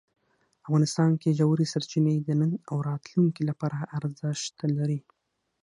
افغانستان کې ژورې سرچینې د نن او راتلونکي لپاره ارزښت لري.